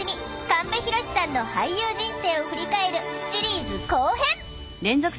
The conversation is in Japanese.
神戸浩さんの俳優人生を振り返るシリーズ後編！